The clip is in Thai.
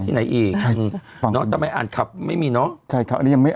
ใช่น่ะเธอไม่อ่านครับไม่มีเนาะ